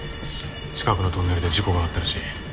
近くのトンネルで事故があったらしい。